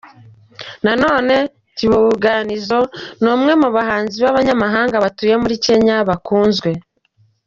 na none Kibuganizo ni umwe mu bahanzi babanyamahanga batuye muri Kenya bakunzwe.